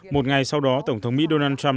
một ngày sau đó tổng thống mỹ donald trump